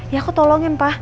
ya aku tolongin pa